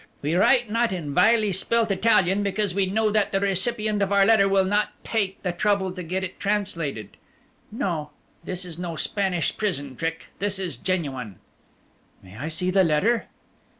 We write not in vilely spelt Italian because we know that the recipient of our letter will not take the trouble to get it translated. No, this is no Spanish prison trick. This is genuine." "May I see the letter?"